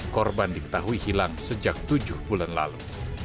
korban diketahui hilang sejak tujuh bulan lalu